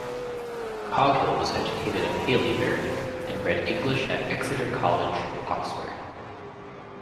Coghill was educated at Haileybury, and read English at Exeter College, Oxford.